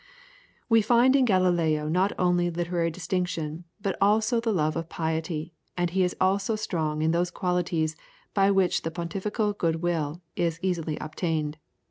"We find in Galileo not only literary distinction, but also the love of piety, and he is also strong in those qualities by which the pontifical good will is easily obtained.